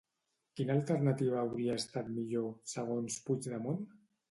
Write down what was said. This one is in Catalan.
Quina alternativa hauria estat millor, segons Puigdemont?